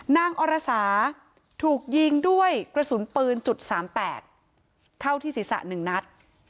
นางอรสาถูกยิงด้วยกระสุนปืนจุดสามแปดเท่าที่ศิษฐะหนึ่งนัด